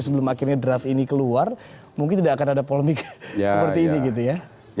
sebelum akhirnya draft ini keluar mungkin tidak akan ada polemik seperti ini gitu ya